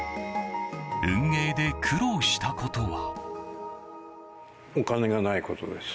運営で苦労したことは。